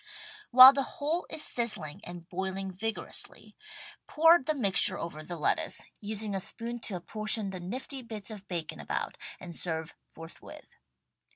While the whole is sizzling and boiling vigorously, pour THE STAG COOK BOOK the mixture over the lettuce, using a spoon to apportion the nifty bits of bacon about, and serve forthwith.